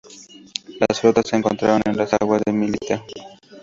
Las flotas se encontraron en las aguas de Mileto.